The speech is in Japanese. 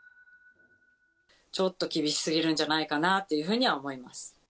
ちょっと厳しすぎるんじゃないかなと思います。